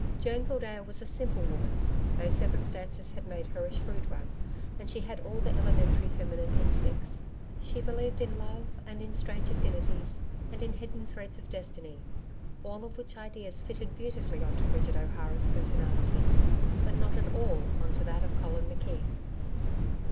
Joan Gildea was a simple woman though circumstances had made her a shrewd one, and she had all the elementary feminine instincts. She believed in love and in strange affinities and in hidden threads of destiny all of which ideas fitted beautifully on to Bridget O'Hara's personality, but not at all on to that of Colin McKeith.